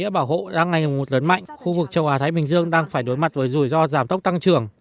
một lớn mạnh khu vực châu á thái bình dương đang phải đối mặt với rủi ro giảm tốc tăng trưởng